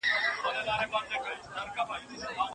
په لیدلو چي یې وو په زړه نتلی